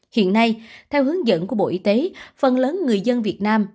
hiện nay theo hướng dẫn của bộ y tế phần lớn người dân việt nam